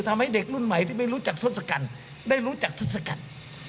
ทำให้เด็กรุ่นใหม่ที่ไม่รู้จักทศกัณฐ์ได้รู้จักทศกัณฐ์